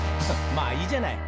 「まあいいじゃない」